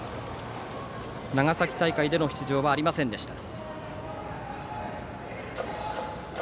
長崎大会での出場はありませんでした。